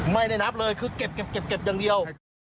ไม่ได้นับเลยคือเก็บอย่างเดียว